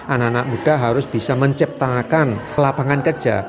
anak anak muda harus bisa menciptakan lapangan kerja